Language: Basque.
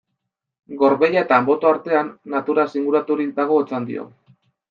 Gorbeia eta Anboto artean, naturaz inguraturik dago Otxandio.